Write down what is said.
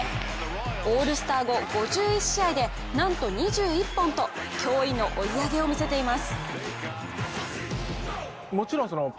オールスター後５１試合でなんと２１本と驚異の追い上げを見せています。